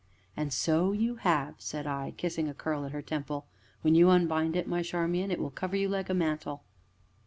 "And so you have," said I, kissing a curl at her temple; "when you unbind it, my Charmian, it will cover you like a mantle."